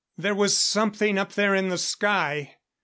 ] There was something up there in the sky!